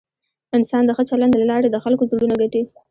انسان د ښه چلند له لارې د خلکو زړونه ګټي.